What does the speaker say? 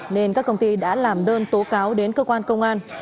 nên các công ty đã làm đơn tố cáo đến cơ quan công an